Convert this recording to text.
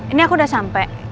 ini aku udah sampe